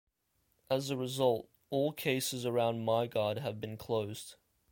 As a result, all cases around MyGuide have been closed.